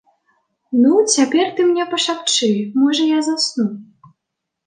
Ну, цяпер ты мне пашапчы, можа, я засну.